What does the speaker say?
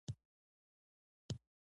په دوه دقیقو کې حل شوه.